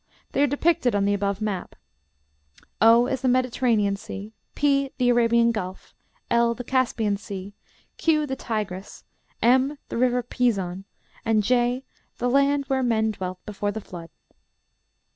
They are depicted on the above map: O is the Mediterranean Sea; P, the Arabian Gulf; L, the Caspian Sea; Q, the Tigris; M, the river Pison; "and J, the land where men dwelt before the Flood."